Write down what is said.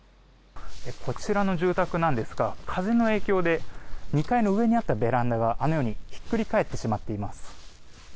こちらの住宅なんですが風の影響で２階の上にあったベランダがひっくり返ってしまっています。